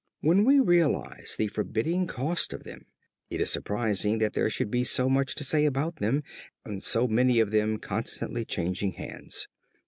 When we realize the forbidding cost of them, it is surprising that there should be so much to say about them and so many of them constantly changing hands.